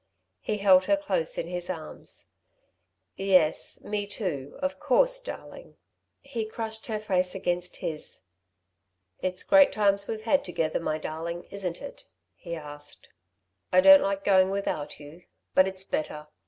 He held her close in his arms. "Yes, me too, of course, darling." He crushed her face against his. "It's great times we've had together, my darling, isn't it?" he asked. "I don't like going without you, but it's better.